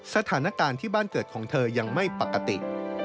สถานการณ์ที่บ้านเกิดของเธอยังไม่ปกติ